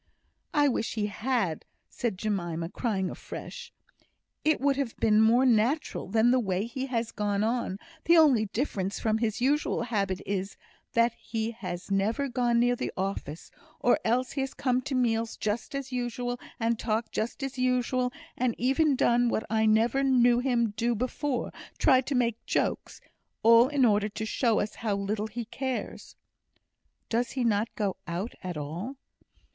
"I wish he had," said Jemima, crying afresh. "It would have been more natural than the way he has gone on; the only difference from his usual habits is, that he has never gone near the office, or else he has come to meals just as usual, and talked just as usual; and even done what I never knew him do before, tried to make jokes all in order to show us how little he cares." "Does he not go out at all?"